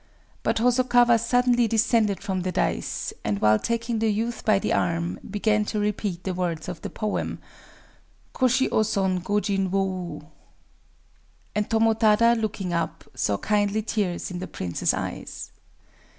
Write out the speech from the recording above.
But Hosokawa suddenly descended from the dais, and, while taking the youth by the arm, began to repeat the words of the poem:—"Kōshi ō son gojin wo ou."... And Tomotada, looking up, saw kindly tears in the prince's eyes.